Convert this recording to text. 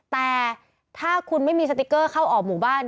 แต่ถ้าคุณไม่มีสติ๊กเกอร์เข้าออกหมู่บ้าน